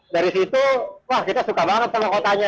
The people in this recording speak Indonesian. dari situ wah kita suka banget sama kotanya